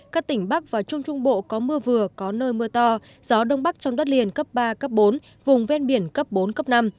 các tỉnh bắc và trung trung bộ có mưa vừa có nơi mưa to gió đông bắc trong đất liền cấp ba cấp bốn vùng ven biển cấp bốn cấp năm